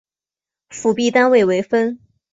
辅币单位为分。